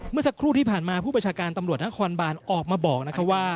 เมื่อสักครู่ที่ผ่านมาผู้ประชาการตำรวจนครบานออกมาบอกนะคะว่า